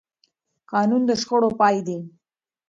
قانون د شخړو پای دی